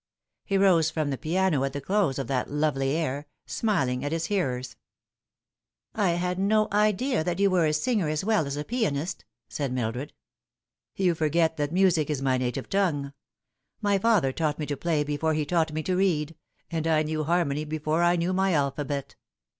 He rose from the piano at the close of that lovely air, smiling at his hearers. " I had no idea that you were a singer as well as a pianist," said Mildred. " You forget that music is my native tongue. My father taught me to play before he taught me to read, and I knew harmony before I knew my alphabet.